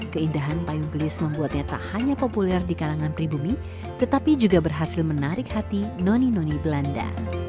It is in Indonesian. keindahan payung gelis membuatnya tak hanya populer di kalangan pribumi tetapi juga berhasil menarik hati noni noni belanda